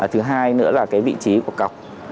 thứ hai nữa là cái vị trí của cọc